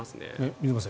水町さん